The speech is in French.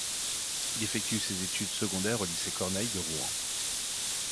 Il effectue ses études secondaires au Lycée Corneille de Rouen.